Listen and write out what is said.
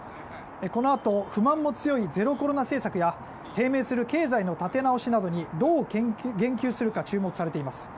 このあと不満の強いゼロコロナ政策や低迷する経済の立て直しなどにどう言及するか注目されています。